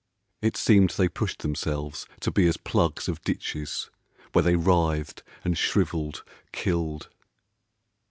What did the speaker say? It seemed they pushed themselves to be as plugs Of ditches, where they writhed and shrivelled, killed.